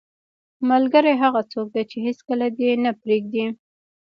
ملګری هغه څوک دی چې هیڅکله دې نه پرېږدي.